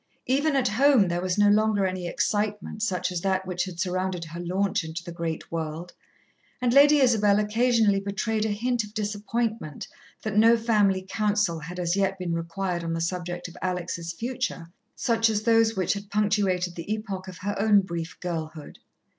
Even at home there was no longer any excitement such as that which had surrounded her launch into the great world, and Lady Isabel occasionally betrayed a hint of disappointment that no family council had as yet been required on the subject of Alex' future, such as those which had punctuated the epoch of her own brief girlhood.